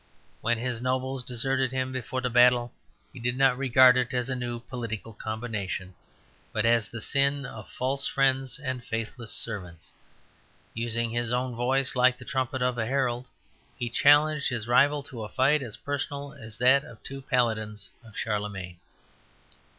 When his nobles deserted him before the battle, he did not regard it as a new political combination, but as the sin of false friends and faithless servants. Using his own voice like the trumpet of a herald, he challenged his rival to a fight as personal as that of two paladins of Charlemagne.